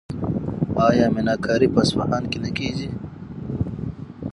آیا میناکاري په اصفهان کې نه کیږي؟